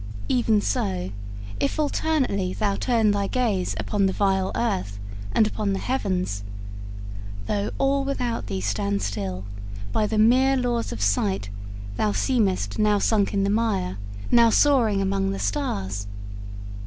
Even so, if alternately thou turn thy gaze upon the vile earth and upon the heavens, though all without thee stand still, by the mere laws of sight thou seemest now sunk in the mire, now soaring among the stars.